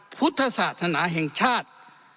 พุทธศาสนาแห่งชาติ